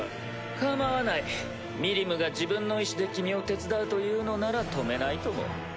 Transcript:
構わないミリムが自分の意志で君を手伝うというのなら止めないとも。